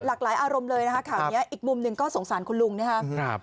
หลากหลายอารมณ์เลยนะคะข่าวนี้อีกมุมหนึ่งก็สงสารคุณลุงนะครับ